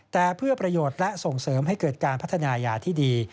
แต่เพื่อประโยชน์และส่งเสริมให้เกิดการพัฒนายาที่ดี